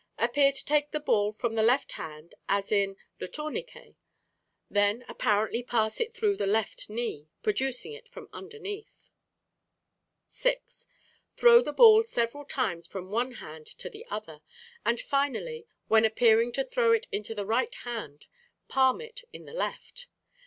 Appear to take the ball from the left hand, as in "Le Tourniquet". Then apparently pass it through the left knee, producing it from underneath. 6. Throw the ball several times from one hand to the other, and finally, when appearing to throw it into the right hand, palm it in the left.